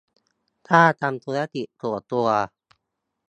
ถ้าทำธุรกิจส่วนตัว